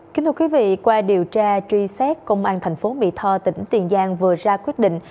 kính thưa quý vị qua điều tra truy xét công an thành phố mỹ tho tỉnh tiền giang vừa ra quyết định